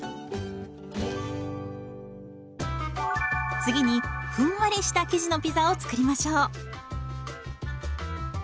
次にふんわりした生地のピザを作りましょう。